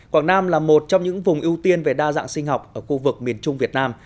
quảng nam là một trong những vùng ưu tiên về đa dạng sinh học ở khu vực miền trung việt nam